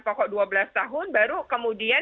pokok dua belas tahun baru kemudian